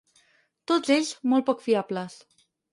Tots ells molt poc fiables.